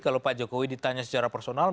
kalau pak jokowi ditanya secara personal